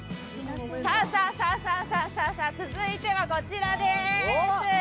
さあ、さあ、続いてはこちらです。